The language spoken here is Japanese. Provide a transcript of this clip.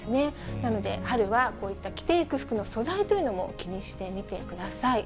なので春は、こういった着て行く服の素材というのも気にしてみてください。